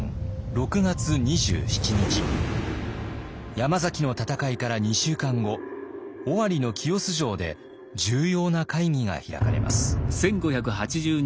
山崎の戦いから２週間後尾張の清須城で重要な会議が開かれます。